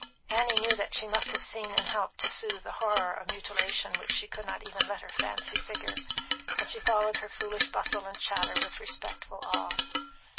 Annie knew that she must have seen and helped to soothe the horror of mutilation which she could not even let her fancy figure, and she followed her foolish bustle and chatter with respectful awe.